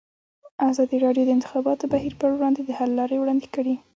ازادي راډیو د د انتخاباتو بهیر پر وړاندې د حل لارې وړاندې کړي.